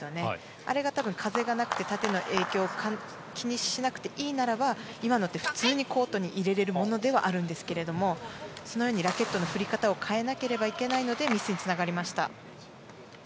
あれが風がなくて縦の影響を気にしなくていいならば今のは普通にコートに入れれるものではあるんですけどそのようにラケットの振り方を変えなければいけないのでミスにつながりました。